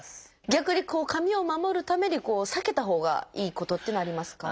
逆に髪を守るために避けたほうがいいことっていうのはありますか？